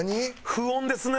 不穏ですね。